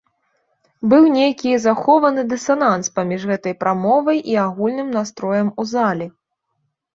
Быў нейкі захованы дысананс паміж гэтай прамовай і агульным настроем у залі.